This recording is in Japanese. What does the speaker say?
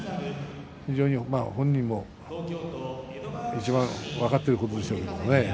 非常に本人もいちばん分かっていることでしょうけれど。